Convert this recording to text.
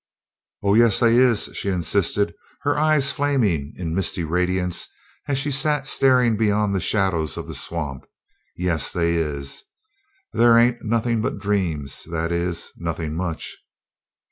"Oh, yes they is!" she insisted, her eyes flaming in misty radiance as she sat staring beyond the shadows of the swamp. "Yes they is! There ain't nothing but dreams that is, nothing much.